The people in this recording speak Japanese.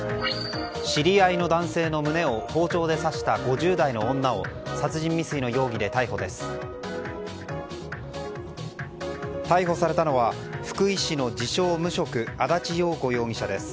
知り合いの男性の胸を包丁で刺した５０代の女を殺人未遂の容疑で逮捕です。